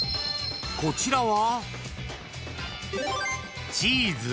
［こちらは］